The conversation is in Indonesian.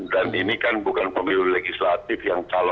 dan ini kan bukan pemilu legislatif yang terjadi